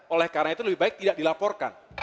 oleh karena itu lebih baik tidak dilaporkan